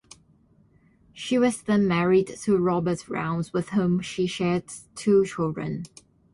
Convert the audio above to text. She was then married to Robert Rounds with whom she shares two children.